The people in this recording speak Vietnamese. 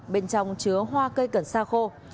bên trong chứa hoa cây cần sa khô